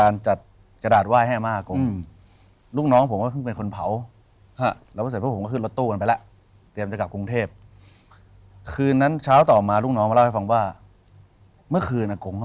เราได้กับครองทรีย์สิ่งที่ของคนที่ศูนย์